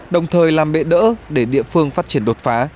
đồng thời làm bệ đỡ để địa phương phát triển đột phá